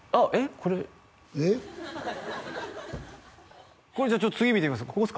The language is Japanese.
これじゃあ次見てみます？